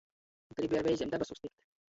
Gribi ar veizem dabasūs tikt.